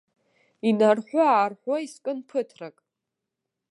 Инарҳәы-аарҳәуа искын ԥыҭрак.